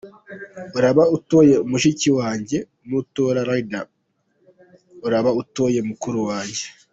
uraba utoye mushiki wanjye, nutora Riderman uraba utoye mukuru wanjye.